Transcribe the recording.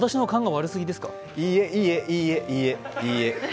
いいえ、いいえ、いいえ、いいえ。